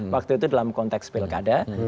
waktu itu dalam konteks pilkada